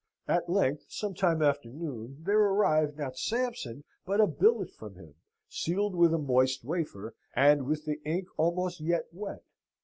At length, some time after noon, there arrived, not Sampson, but a billet from him, sealed with a moist wafer, and with the ink almost yet wet.